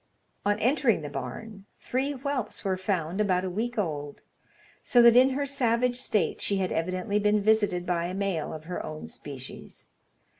On entering the barn, three whelps were found about a week old; so that in her savage state she had evidently been visited by a male of her own species.